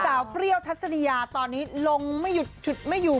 สาวเปรี้ยวทัศนียาตอนนี้ลงไม่อยู่